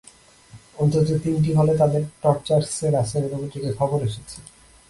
অন্তত তিনটি হলে তাদের টর্চার সেল আছে বলে পত্রিকায় খবর এসেছে।